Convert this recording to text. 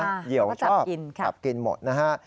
เหยียวชอบกินหมดนะฮะ